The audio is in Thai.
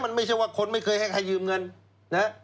มันไม่ใช่ว่าคนไม่เคยให้ใครยืมเงินนะ